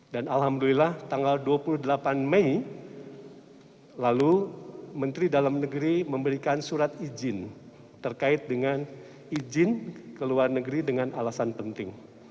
dan alhamdulillah tanggal dua puluh delapan mei lalu menteri dalam negeri memberikan surat izin terkait dengan izin ke luar negeri dengan alasan penting